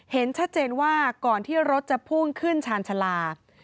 เห็นชัดเจนว่าก่อนที่รถจะพุ่งขึ้นชาญชาลา